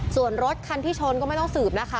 ส่วนรถคันที่ชนก็ไม่ต้องสืบนะคะ